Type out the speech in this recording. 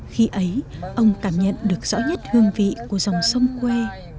khi ấy ông cảm nhận được rõ nhất hương vị của dòng sông quê